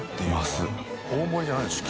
大盛りじゃないんですね。